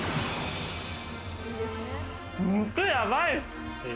肉、やばいっす。